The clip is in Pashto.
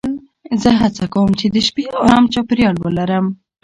زه هڅه کوم چې د شپې ارام چاپېریال ولرم.